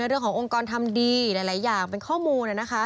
เรื่องขององค์กรทำดีหลายอย่างเป็นข้อมูล